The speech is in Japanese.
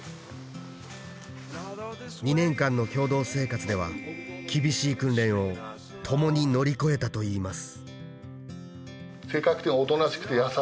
２年間の共同生活では厳しい訓練を共に乗り越えたといいます